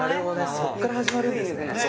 そっから始まるんですね